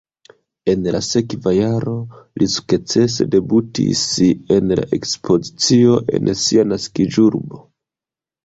En la sekva jaro li sukcese debutis en ekspozicio en sia naskiĝurbo.